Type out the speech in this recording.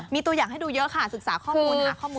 มีตัวอย่างให้ดูเยอะค่ะศึกษาข้อมูลหาข้อมูล